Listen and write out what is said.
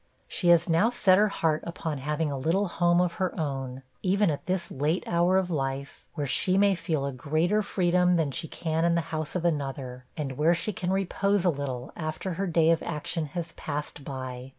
She has now set her heart upon having a little home of her own, even at this late hour of life, where she may feel a greater freedom than she can in the house of another, and where she can repose a little, after her day of action has passed by.